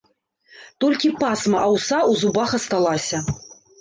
Толькі пасма аўса ў зубах асталася.